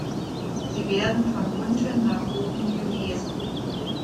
Sie werden von unten nach oben gelesen.